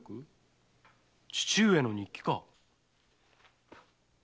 父上の日記か。